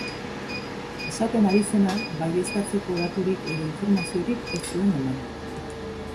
Esaten ari zena baieztatzeko daturik edo informaziorik ez zuen eman.